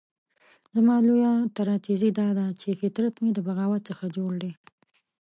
زما لويه تراژیدي داده چې فطرت مې د بغاوت څخه جوړ دی.